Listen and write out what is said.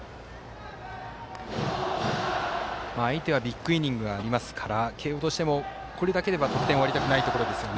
相手はビッグイニングがありますから慶応としても、これだけで得点終わりたくないところですね。